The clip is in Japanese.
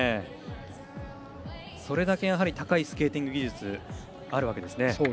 それだけ高いスケーティング技術があるわけですね。